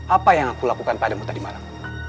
apa yang aku lakukan padamu tadi malam